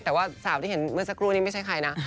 แต่ว่าสาวที่เห็นเมื่อสักครู่นี้ไม่ใช่ใครนะ